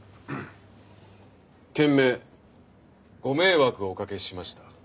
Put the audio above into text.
「件名ご迷惑おかけしました。